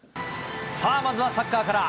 さあ、まずはサッカーから。